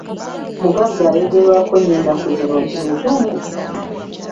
Mugagga ayogerwako nnyo nti ennaku zino muzungu.